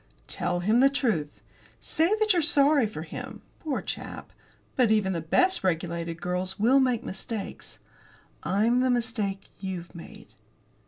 "Tell him the truth. Say that you're sorry for him, poor chap, but even the best regulated girls will make mistakes. I'm the mistake you've made."